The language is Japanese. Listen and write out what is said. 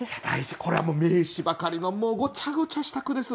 これは名詞ばかりのもうごちゃごちゃした句です。